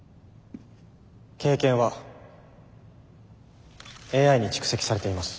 経験はＡＩに蓄積されています。